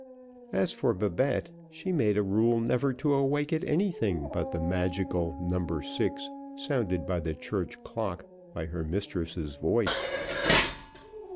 As for Babette, she made a rule never to wake at anything, but the magical No. 6, sounded by the church clock, or by her mistress's voice.